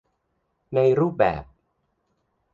ในรูปแบบ